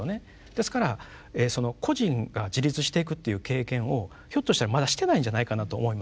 ですから個人が自立していくっていう経験をひょっとしたらまだしていないんじゃないかなと思います。